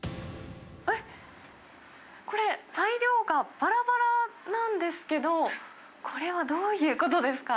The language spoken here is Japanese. えっ、これ、材料がばらばらなんですけど、これはどういうことですか？